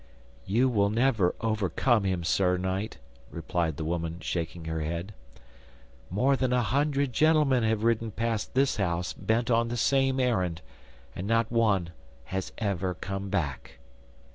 'You will never overcome him, Sir Knight,' replied the woman, shaking her head. 'More than a hundred gentlemen have ridden past this house bent on the same errand, and not one has ever come back.